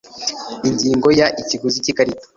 Ingingo ya Ikiguzi cy ikarita